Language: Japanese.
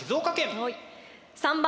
３番！